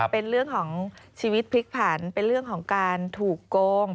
เป็นเรื่องของชีวิตพลิกผันเป็นเรื่องของการถูกโกง